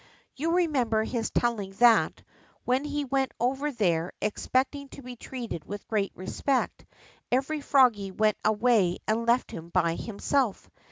You remem ber his telling that, when he went over there expecting to be treated with great respect, every froggie went away and left him by himself.